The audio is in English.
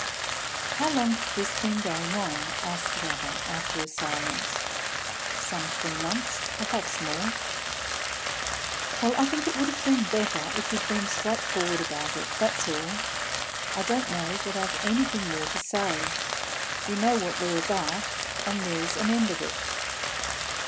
"How long has this been going on?" asked the other, after a silence. "Some three months perhaps more." "Well, I think it would have been better if you'd been straightforward about it, that's all. I don't know that I've anything more to say. We know what we're about, and there's an end of it."